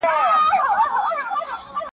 د دې زوی په شکایت یمه راغلې .